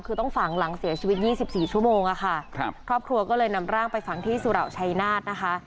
คือต้องฝังหลังเสียชีวิต๒๔ชั่วโมงอะค่ะครับครอบครัวก็เลยนำร่างไปฝังที่สุเหล่าชัยนาธนะคะ